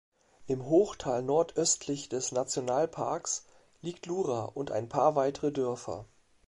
Im Hochtal nordöstlich des Nationalparks liegt Lura und ein paar weitere Dörfer.